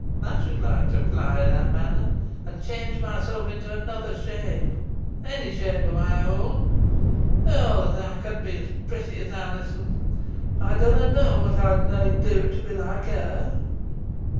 Ey should like to fly i' that manner, an change myself into another shape onny shape boh my own. Oh that ey could be os protty os Alizon! Ey dunna knoa whot ey'd nah do to be like her!"